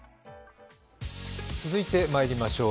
続いてまいりましょう。